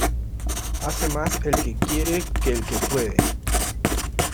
Hace más el que quiere que el que puede.